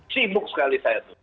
sibuk sekali saya itu